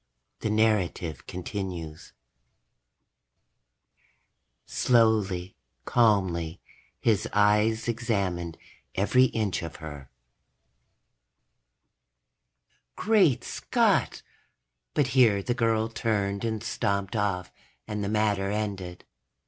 The narrative continues: ... slowly, calmly, his eyes examined every inch of her. Great Scott! But here the girl turned and stomped off and the matter ended.